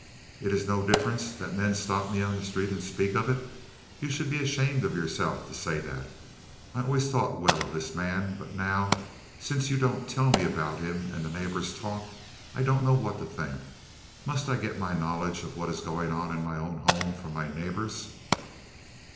"Is it no difference that men stop me on the street and speak of it? You should be ashamed of yourself to say that. I always thought well of this man, but now, since you don't tell me about him, and the neighbors talk, I don't know what to think. Must I get my knowledge of what is going on in my own home from my neighbors?"